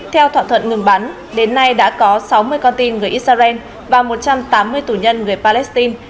theo thỏa thuận ngừng bắn đến nay đã có sáu mươi con tin người israel và một trăm tám mươi tù nhân người palestine